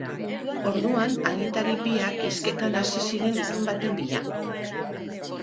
Orduan agintari biak hizketan hasi ziren itun baten bila.